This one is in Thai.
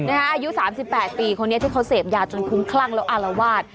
อายุ๓๘ปีคนนี้ที่เขาเสพยาจนคุ้มคลั่งแล้วอารวาส